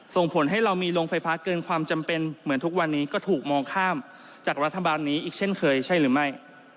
ส่งผลให้เรามีโรงไฟฟ้าเกินความจำเป็นเหมือนทุกวันนี้ก็ถูกมองข้ามจากรัฐบาลนี้อีกเช่นเคยใช่หรือไม่